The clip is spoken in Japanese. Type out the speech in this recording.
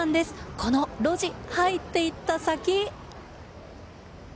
この路地、入っていった先。